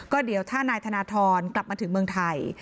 ก็เดี๋ยวถ้านายธนทรกลับมาถึงเมืองไทย